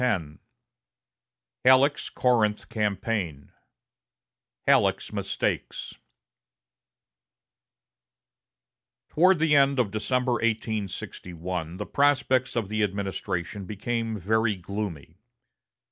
10 Halleck's Corinth Campaign Halleck's Mistakes Toward the end of December, 1861, the prospects of the administration became very gloomy.